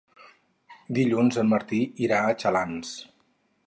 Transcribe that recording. Dilluns en Martí irà a Xalans.